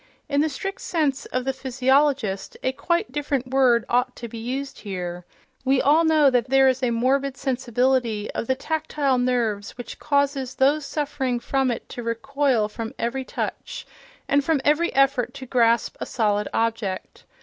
In the strict sense of the physiologist, a quite different word ought to be used here.... We all know that there is a morbid sensibility of the tactile nerves which causes those suffering from it to recoil from every touch, and from every effort to grasp a solid object.